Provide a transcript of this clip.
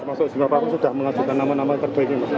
masuk juga pak pak sudah mengajukan nama nama terbaik ini